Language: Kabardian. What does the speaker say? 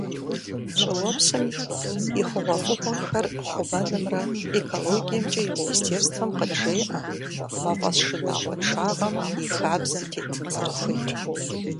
ЩӀыуэпсым и хъугъуэфӀыгъуэхэр хъумэнымрэ экологиемкӀэ и министерствэм къыджеӏэ мафӀэс шынагъуэншагъэм и хабзэм тетын зэрыхуейр.